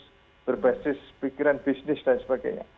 terus berbasis pikiran bisnis dan sebagainya